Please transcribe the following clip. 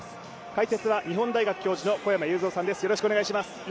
解説は日本大学教授の小山裕三さんです。